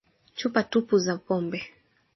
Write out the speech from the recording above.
Chupa tupu za pombe